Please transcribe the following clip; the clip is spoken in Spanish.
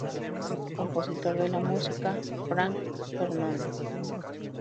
Compositor de la música: Frank Fernández.